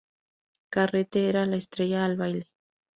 Carrete era la estrella al baile.